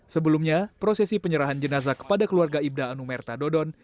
sebelumnya prosesi penyerahan jenazah kepada keluarga ibda anumerta dodon